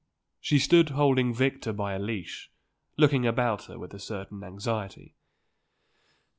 She stood holding Victor by a leash, looking about her with a certain anxiety.